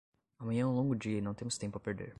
Amanhã é um longo dia e não temos tempo a perder.